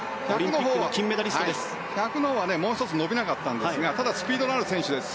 １００のほうは少し伸びなかったんですがただスピードのある選手です。